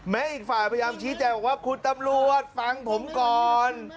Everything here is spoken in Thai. อีกฝ่ายพยายามชี้แจงบอกว่าคุณตำรวจฟังผมก่อน